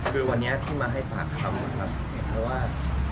คือวันนี้ที่มาให้ปัดคำ